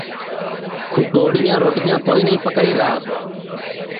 کُھٹوڑیاں روٹیاں کوئی نائی پکائیرا